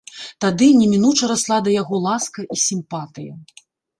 Тады немінуча расла да яго ласка і сімпатыя.